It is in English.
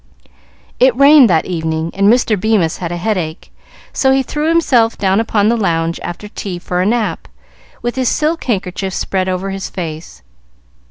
It rained that evening, and Mr. Bemis had a headache, so he threw himself down upon the lounge after tea for a nap, with his silk handkerchief spread over his face.